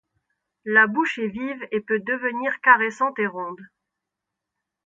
La bouche est vive et peut devenir caressante et ronde.